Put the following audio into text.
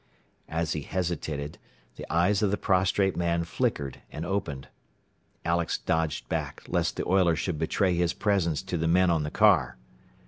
As he hesitated, the eyes of the prostrate man flickered, and opened. Alex dodged back, lest the oiler should betray his presence to the men on the car.